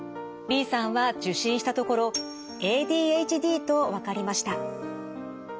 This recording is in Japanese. Ｂさんは受診したところＡＤＨＤと分かりました。